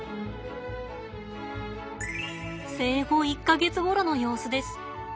生後１か月ごろの様子です。